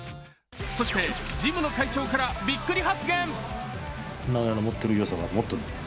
そして、ジムの会長からびっくり発言。